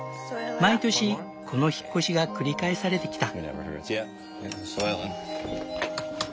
毎年この引っ越しが繰り返されてきた。